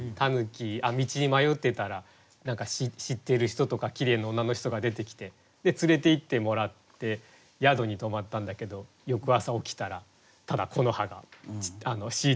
狸道に迷ってたら何か知ってる人とかきれいな女の人が出てきてで連れていってもらって宿に泊まったんだけど翌朝起きたらただ木の葉が敷いてただけだったみたいな。